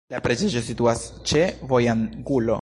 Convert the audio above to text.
La preĝejo situas ĉe vojangulo.